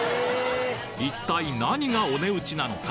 一体何がお値打ちなのか？